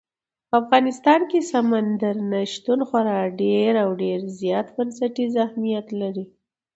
په افغانستان کې سمندر نه شتون خورا ډېر او ډېر زیات بنسټیز اهمیت لري.